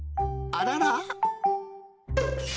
あらら？